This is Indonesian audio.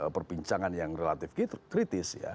perbincangan yang relatif kritis ya